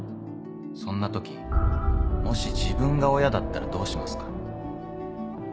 そんな時もし自分が親だったらどうしますか？